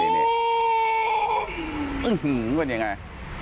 นี่เป็นอย่างไร